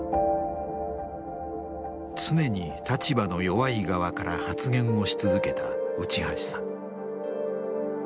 常に立場の弱い側から発言をし続けた内橋さん。